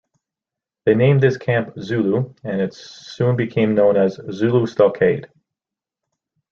They named this camp Zulu, and it soon became known as Zulu Stockade.